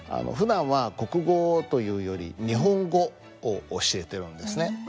ふだんは国語というより日本語を教えてるんですね。